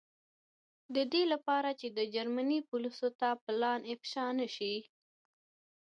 د دې له پاره چې د جرمني پولیسو ته پلان افشا نه شي.